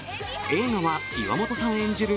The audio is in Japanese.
映画は岩本さん演じる